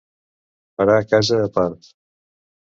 Parar casa a part.